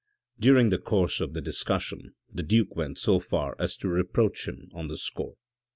During the course of the discussion the duke went so far as to reproach him on this score.